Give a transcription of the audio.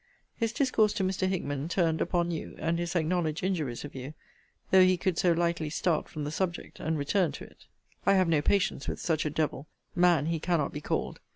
His discourse to Mr. Hickman turned upon you, and his acknowledged injuries of you: though he could so lightly start from the subject, and return to it. I have no patience with such a devil man he cannot be called.